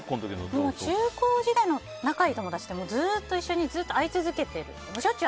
中高時代の仲いい友達とずっと一緒に会い続けている。